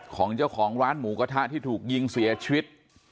ของเจ้าของร้านหมูกระทะที่ถูกยิงเสียชีวิต